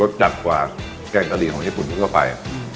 จัดกว่าแกงกะหรี่ของญี่ปุ่นทั่วไป